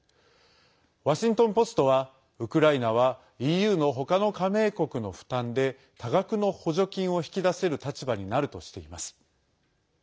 ワシントン・ポストはウクライナはＥＵのほかの加盟国の負担で多額の補助金を引き出せる立場になるとしています。